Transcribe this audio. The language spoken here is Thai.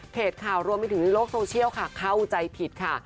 เพจข่ารวมยันโลกโซเชียลค่ะเข้าใจผิดค่ะ